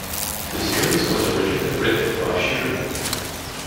The series was originally written by Shooter.